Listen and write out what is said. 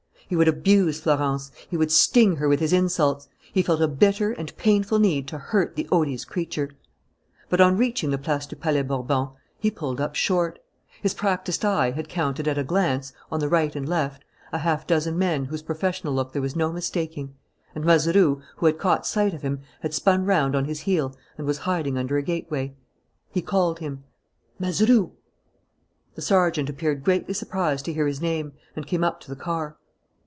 He would abuse Florence. He would sting her with his insults. He felt a bitter and painful need to hurt the odious creature. But on reaching the Place du Palais Bourbon he pulled up short. His practised eye had counted at a glance, on the right and left, a half dozen men whose professional look there was no mistaking. And Mazeroux, who had caught sight of him, had spun round on his heel and was hiding under a gateway. He called him: "Mazeroux!" The sergeant appeared greatly surprised to hear his name and came up to the car.